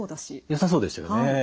よさそうでしたよね。